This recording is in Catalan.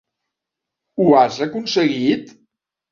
Ho has aconseguit?